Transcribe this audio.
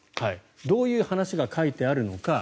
どういう話が書いてあるのか。